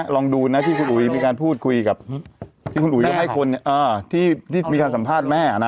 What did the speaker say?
ลองดูนะที่คุณอุ๋ยมีการพูดคุยกับที่คุณอุ๋ยให้คนที่มีการสัมภาษณ์แม่นะ